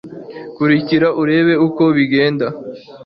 kurikira urebe uko bigenda